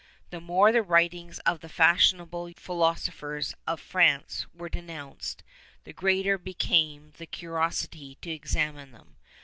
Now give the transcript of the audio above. The more the writings of the fashionable philosophers of France were denounced, the greater became the curiosity to examine them.